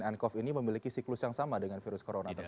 ncov ini memiliki siklus yang sama dengan virus corona